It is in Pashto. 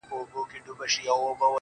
د ژوند ستا په مينه باندې ساز دی